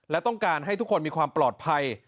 และต้องการให้ทุกคนมีความปลอดภัย